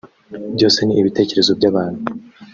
Byose ni ibitekerezo by’abantu